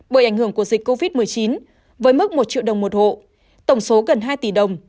bởi ảnh hưởng của dịch covid một mươi chín với mức một triệu đồng một hộ tổng số gần hai tỷ đồng